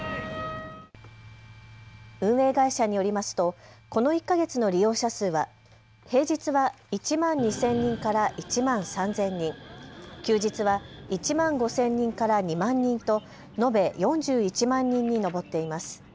運営会社によりますとこの１か月の利用者数は平日は１万２０００人から１万３０００人、休日は１万５０００人から２万人と延べ４１万人に上っています。